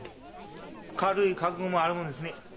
軽い覚悟もあるもんですね。